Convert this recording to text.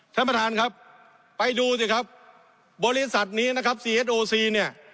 ท่านประธานครับไปดูสิครับบริษัทนี้นะครับซีเอสโอซีเนี่ย